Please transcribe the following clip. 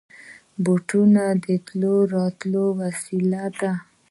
بوټونه د تلو راتلو وسېله ده.